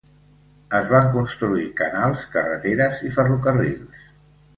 Es van construir canals, carreteres i ferrocarrils.